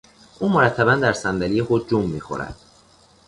او مرتبا در صندلی خود جم میخورد.